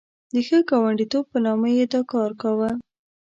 د ښه ګاونډیتوب په نامه یې دا کار کاوه.